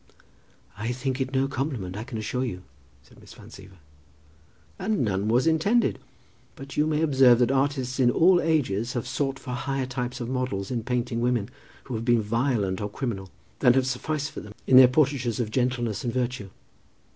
"I think it no compliment, I can assure you," said Miss Van Siever. "And none was intended. But you may observe that artists in all ages have sought for higher types of models in painting women who have been violent or criminal, than have sufficed for them in their portraitures of gentleness and virtue.